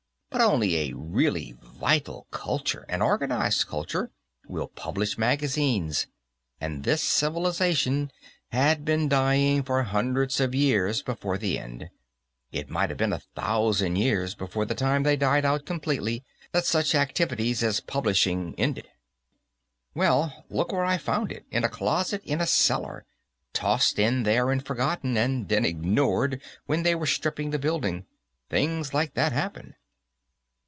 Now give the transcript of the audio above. But only a really vital culture, an organized culture, will publish magazines, and this civilization had been dying for hundreds of years before the end. It might have been a thousand years before the time they died out completely that such activities as publishing ended." "Well, look where I found it; in a closet in a cellar. Tossed in there and forgotten, and then ignored when they were stripping the building. Things like that happen."